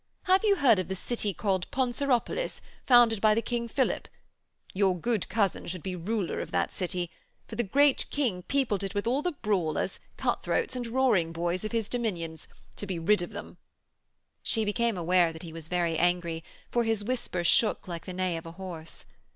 Have you heard of the city called Ponceropolis, founded by the King Philip? Your good cousin should be ruler of that city, for the Great King peopled it with all the brawlers, cut throats, and roaring boys of his dominions, to be rid of them.' She became aware that he was very angry, for his whisper shook like the neigh of a horse.